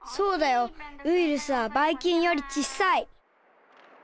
ウイルスはばいきんよりちっさい。